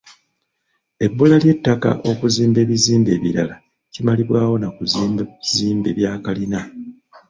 Ebbula ly'ettaka okuzimba ebizimbe ebirala kimalibwawo na kuzimba bizimbe bya kalina.